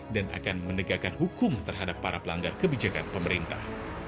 dan akan mendegarkan hukum terhadap para pelanggar kebijakan pemerintah